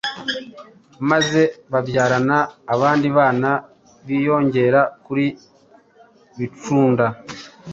maze babyarana abandi bana biyongera kuri Bicunda